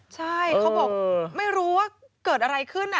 ใช่เขาบอกไม่รู้ว่าเกิดอะไรขึ้น